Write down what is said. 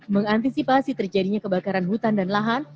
mengantisipasi terjadinya kebakaran hutan dan lahan